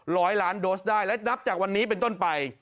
ร้อยล้านโดสได้และนับจากวันนี้เป็นต้นไป